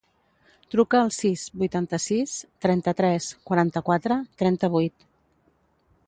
Truca al sis, vuitanta-sis, trenta-tres, quaranta-quatre, trenta-vuit.